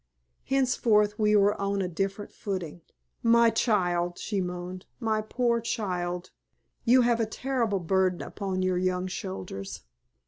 Henceforth we were on a different footing. "My child!" she moaned. "My poor child! You have a terrible burden upon your young shoulders."